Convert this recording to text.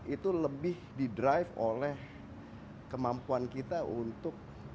itu lebih di drive oleh kemampuan kita untuk